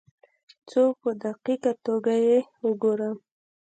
څو په دقیقه توګه یې وګورم.